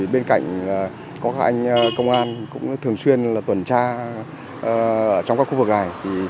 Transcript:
bên cạnh có các anh công an cũng thường xuyên tuần tra trong các khu vực này